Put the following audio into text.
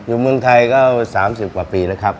อยู่เมืองไทยก็๓๐กว่าปีแล้วครับ